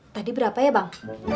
tadi berapa ya bang